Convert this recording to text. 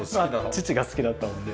父が好きだったので。